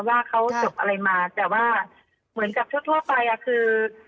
ว่าเขาจบอะไรมาแต่ว่าเหมือนกับทั่วไปอ่ะคือ